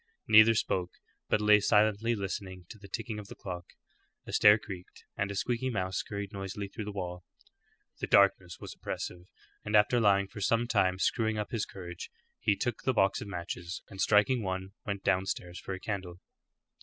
Neither spoke, but lay silently listening to the ticking of the clock. A stair creaked, and a squeaky mouse scurried noisily through the wall. The darkness was oppressive, and after lying for some time screwing up his courage, he took the box of matches, and striking one, went downstairs for a candle.